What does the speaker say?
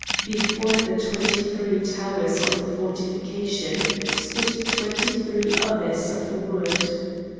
Before the twenty three towers on the fortification stood twenty three others of wood.